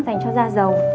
dành cho da dầu